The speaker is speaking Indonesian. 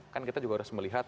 kan kita juga harus melihat